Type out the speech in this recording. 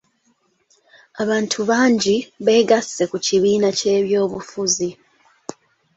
Abantu bangi beegasse ku kibiina ky'ebyobufuzi.